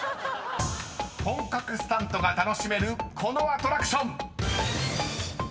［本格スタントが楽しめるこのアトラクション］